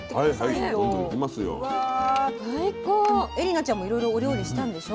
でも絵里奈ちゃんもいろいろお料理したんでしょ？